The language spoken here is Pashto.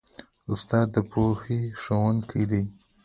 استاد د پوهې ښوونکی دی.